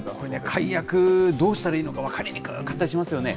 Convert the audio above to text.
解約、どうしたらいいのか分かりにくかったりしますよね。